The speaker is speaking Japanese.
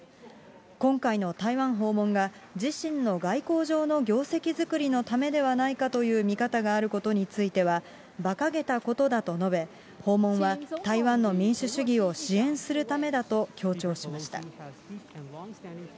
今回の台湾訪問が、自身の外交上の業績作りのためではないかという見方があることについては、ばかげたことだと述べ、訪問は台湾の民主主義を支援するためだと強調しました。